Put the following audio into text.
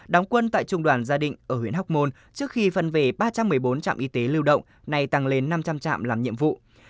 đóng quân tại trung đoàn gia đình ở huyện hóc môn trước khi phân về ba trăm một mươi bốn trạm y tế lưu động nay tăng lên năm trăm linh trạm làm nhiệm vụ